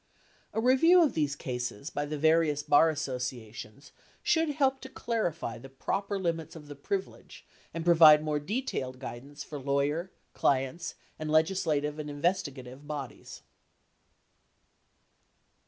A review of these cases by the various bar associations should help to clarify the proper limits of the privilege, and provide more detailed guidance for lawyer, clients, and legislative and investigative bodies.